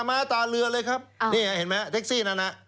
ม้าตาเรือเลยครับนี่เห็นไหมแท็กซี่นั่นน่ะ